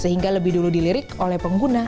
sehingga lebih dulu dilirik oleh pengguna